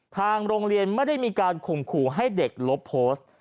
ทางโรงเรียนไม่ได้มีการข่มขู่ให้เด็กลบโพสต์